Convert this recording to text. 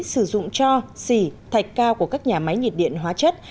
sử dụng cho xỉ thạch cao của các nhà máy nhiệt điện hóa chất